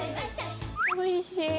おいしい！